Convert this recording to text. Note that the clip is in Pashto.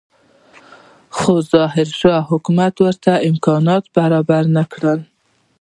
خو ظاهرشاه حکومت ورته امکانات برابر نه کړل.